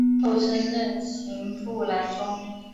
后升任刑部郎中。